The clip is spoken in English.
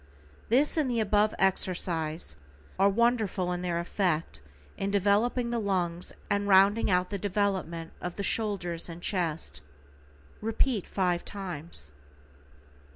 This and the above exercise are wonderful in their effect in developing the lungs and rounding out the development of the shoulders and chest. Repeat 5 times.